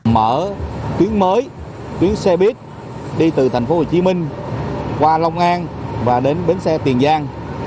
mở tuyến mới tuyến xe buýt đi từ tp hcm qua long an và đến bến xe tiền giang